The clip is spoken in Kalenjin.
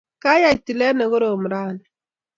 kayai tilet nekorom rani